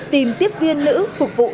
tìm tiếp viên nữ phục vụ ma túy